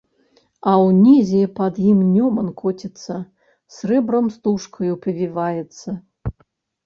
А ўнізе пад ім Нёман коціцца, срэбрам-стужкаю павіваецца.